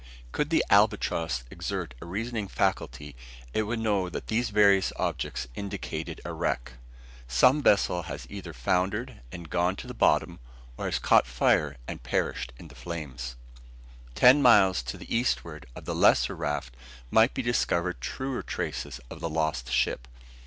Could the albatross exert a reasoning faculty it would know that these various objects indicated a wreck. Some vessel has either foundered and gone to the bottom, or has caught fire and perished in the flames. Ten miles to the eastward of the lesser raft might be discovered truer traces of the lost ship.